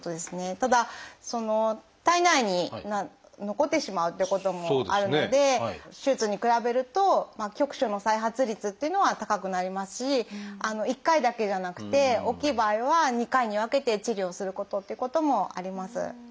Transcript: ただその体内に残ってしまうということもあるので手術に比べると局所の再発率っていうのは高くなりますし１回だけじゃなくて大きい場合は２回に分けて治療することっていうこともあります。